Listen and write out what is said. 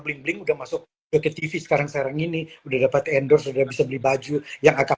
beling bling udah masuk ke tv sekarang sekarang ini udah dapat endorse udah bisa beli baju yang akan